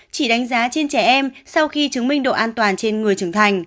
chỉ đánh giá trên trẻ em sau khi chứng minh độ an toàn trên người trưởng thành